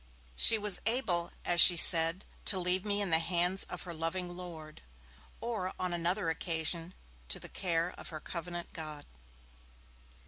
She was able, she said, to leave me 'in the hands of her loving Lord', or, on another occasion, 'to the care of her covenant God'.